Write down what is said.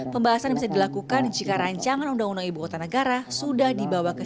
pembahasan bisa dilakukan jika rancangan undang undang ibu kota negara sudah dibawa ke